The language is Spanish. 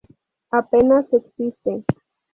Apenas existe".